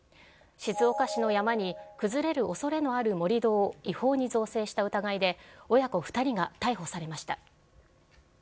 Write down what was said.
静岡市の山に、崩れるおそれのある盛り土を違法に造成した疑いで、親子２人が逮捕されました。